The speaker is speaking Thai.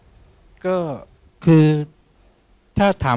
พี่น้องรู้ไหมว่าพ่อจะตายแล้วนะ